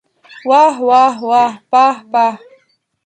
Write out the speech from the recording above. واه واه واه پاه پاه!